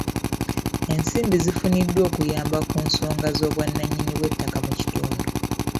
Ensimbi zifuniddwa okuyamba ku nsonga z'obwannanyini bw'ettaka mu kitundu.